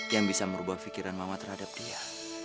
yang bisa merubah pikiran mama terhadap dia